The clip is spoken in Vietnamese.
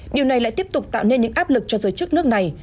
điều này lại tiếp tục tạo nên những áp lực cho giới chức nước này